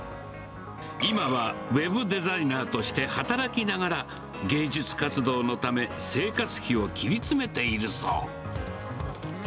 今はウェブデザイナーとして働きながら、芸術活動のため、生活費を切り詰めているそう。